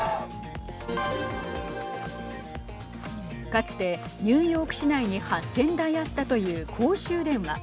かつて、ニューヨーク市内に８０００台あったという公衆電話。